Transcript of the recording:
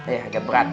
iya agak berat